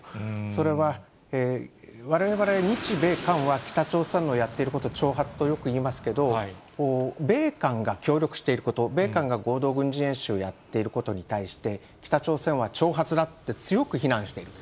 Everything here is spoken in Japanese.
それは、われわれ日米韓は北朝鮮のやっていることを、挑発とよく言いますけど、米韓が協力していること、米韓が軍事合同演習をやっていることに対して、北朝鮮は挑発だって、強く非難している。